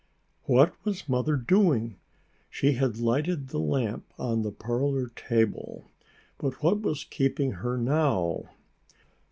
What was Mother doing? She had lighted the lamp on the parlor table, but what was keeping her now?